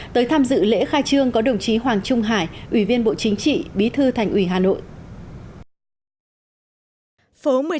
tới tham dự lễ khai trương có đồng chí hoàng trung hải ủy viên bộ chính trị bí thư thành ủy hà nội